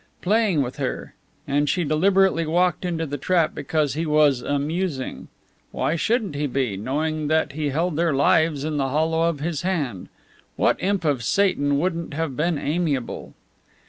Playing with her, and she deliberately walked into the trap because he was amusing! Why shouldn't he be, knowing that he held their lives in the hollow of his hand? What imp of Satan wouldn't have been amiable?